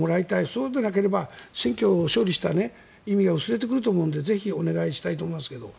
そうでなければ選挙に勝利した意味が薄れてくると思うのでぜひお願いしたいと思います。